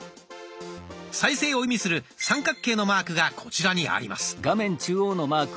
再生を意味する三角形のマークがこちらにあります。